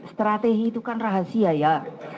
strategi itu kan rahasia ya